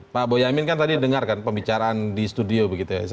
pak boyamin kan tadi dengar kan pembicaraan di studio begitu ya